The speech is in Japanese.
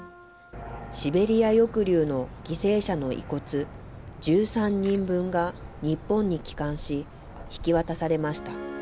シベリア抑留の犠牲者の遺骨１３人分が日本に帰還し、引き渡されました。